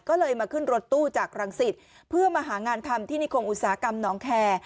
ก็เลยมาขึ้นรถตู้จากรังสิตเพื่อมาหางานทำที่นิคมอุตสาหกรรมน้องแคร์